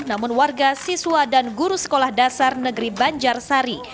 namun warga siswa dan guru sekolah dasar negeri banjarsari